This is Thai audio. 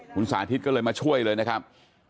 คุณสาธิตก็เลยมาช่วยเลยนะครับ